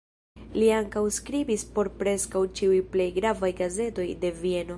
Li ankaŭ skribis por preskaŭ ĉiuj plej gravaj gazetoj de Vieno.